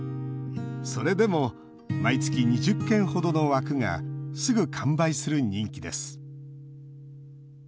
それでも毎月２０件ほどの枠がすぐ完売する人気です。